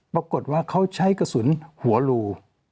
ปรากฏว่าเขาใช้กระสุนหัวรู